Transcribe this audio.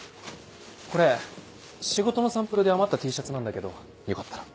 これ仕事のサンプルで余ったＴシャツなんだけどよかったら。